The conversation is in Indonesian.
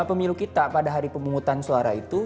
pemilu kita pada hari pemungutan suara itu